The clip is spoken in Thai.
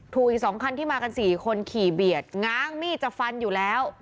อีก๒คันที่มากัน๔คนขี่เบียดง้างมีดจะฟันอยู่แล้ว